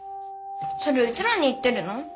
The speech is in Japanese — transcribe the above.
それうちらに言ってるの？